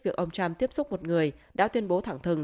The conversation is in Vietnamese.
việc ông trump tiếp xúc một người đã tuyên bố thẳng thừng